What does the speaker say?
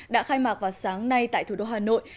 đã khai mạc vào sáng nay tại thủ đô hà nội